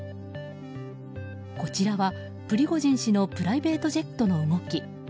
こちらは、プリゴジン氏のプライベートジェットの動き。